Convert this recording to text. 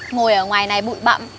ngồi ở ngoài này bụi bậm